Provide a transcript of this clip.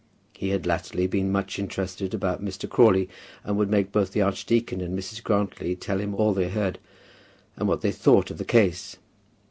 He had latterly been much interested about Mr. Crawley, and would make both the archdeacon and Mrs. Grantly tell him all that they heard, and what they thought of the case.